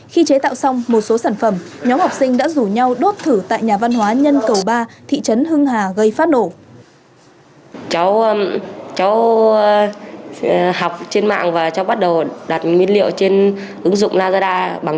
khi chế tạo xong một số sản phẩm nhóm học sinh đã rủ nhau đốt thử tại nhà văn hóa nhân cầu ba